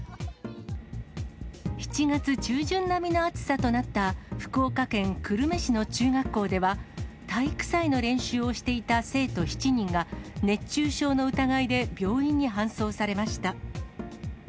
７月中旬並みの暑さとなった福岡県久留米市の中学校では、体育祭の練習をしていた生徒７人が、熱中症の疑いで病院に搬送されました。